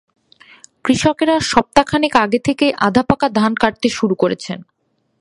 কৃষকেরা সপ্তাহ খানেক আগে থেকেই আধা পাকা ধান কাটতে শুরু করেছেন।